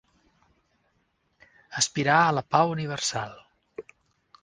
Aspirar a la pau universal.